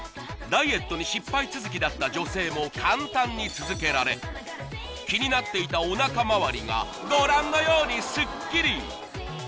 ダイエットに失敗続きだった女性も簡単に続けられ気になっていたおなかまわりがご覧のようにスッキリ！